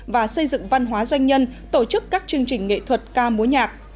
và xây dựng văn hóa doanh nhân tổ chức các chương trình nghệ thuật ca múa nhạc